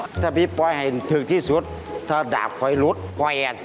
ที่สุดถ้าบิ๊บปลอยให้ถึงที่สุดถ้าดาบคล้ายลุดคล้ายแอด